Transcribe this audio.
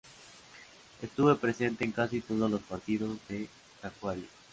Estuve presente en casi todos los partidos de Tacuary.